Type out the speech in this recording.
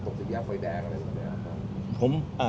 หมอบรรยาหมอบรรยาหมอบรรยา